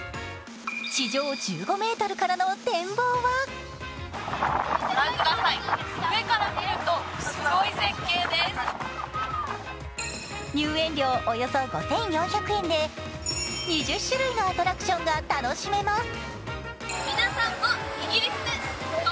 地上１５ｍからの展望は入園料およそ５４００円で２０種類のアトラクションが楽しめます。